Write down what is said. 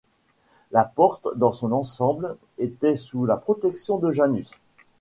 La porte, dans son ensemble, était sous la protection de Janus.